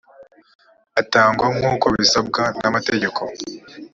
atangwa nk uko bisabwa n amategeko